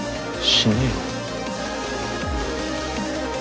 死ねよ。